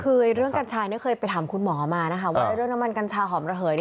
คือเรื่องกัญชาเคยไปถามคุณหมอมานะคะว่าเรื่องน้ำมันกัญชาหอมระเหย